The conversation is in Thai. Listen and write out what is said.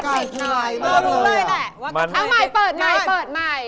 มารู้เลยแหละว่าเอาใหม่เปิดใหม่เปิดใหม่